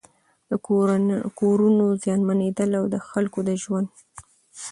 د کورونو زيانمنېدل او د خلکو د ژوند